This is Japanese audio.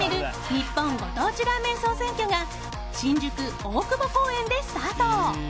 日本ご当地ラーメン総選挙が新宿・大久保公園でスタート。